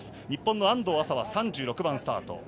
日本の安藤麻は３６番スタート。